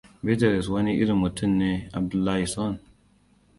Bitrus wane irin mutum ne Abdullahison?